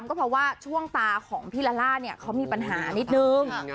ก็เพราะว่าช่วงตาของพี่ลาล่าเนี่ยเขามีปัญหานิดนึง